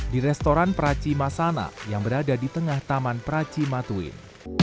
di restoran praci masana yang berada di tengah taman pracima twin